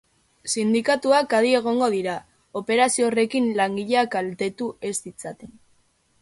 Sindikatuak adi egongo dira, operazio horrekin langileak kaltetu ez ditzaten.